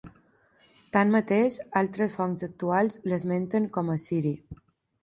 Tanmateix, altres fonts actuals l'esmenten com a assiri.